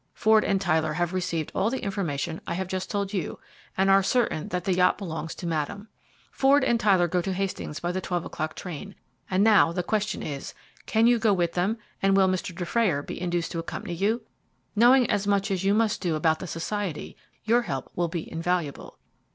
Ford and Tyler have received all the information I have just told you, and are certain that the yacht belongs to Madame. Ford and Tyler go to Hastings by the twelve o'clock train. And now the question is, Can you go with them, and will Mr. Dufrayer be induced to accompany you? Knowing as much as you must do about the Society, your help will be invaluable."